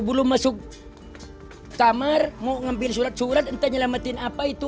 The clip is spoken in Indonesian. belum masuk kamar mau ngambil surat surat entah nyelamatin apa itu